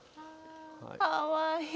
かわいい。